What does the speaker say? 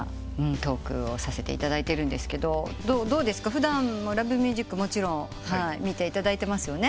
普段『Ｌｏｖｅｍｕｓｉｃ』もちろん見ていただいてますよね？